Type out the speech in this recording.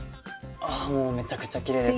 あもうめちゃくちゃきれいですね。